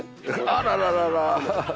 あらららら。